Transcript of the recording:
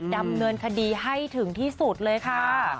ดำเนินคดีให้ถึงที่สุดเลยค่ะ